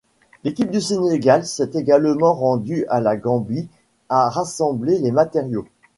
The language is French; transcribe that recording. L'équipe du Sénégal s'est également rendue à la Gambie à rassembler les matériaux.